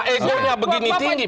ekornya begini tinggi